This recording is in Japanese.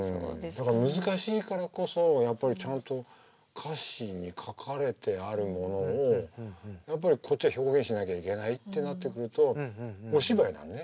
だから難しいからこそやっぱりちゃんと歌詞に書かれてあるものをやっぱりこっちは表現しなきゃいけないってなってくるとお芝居だね。